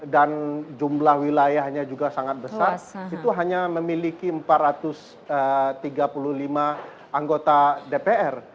jumlah wilayahnya juga sangat besar itu hanya memiliki empat ratus tiga puluh lima anggota dpr